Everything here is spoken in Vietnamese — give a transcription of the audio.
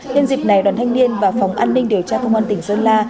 nhân dịp này đoàn thanh niên và phòng an ninh điều tra công an tỉnh sơn la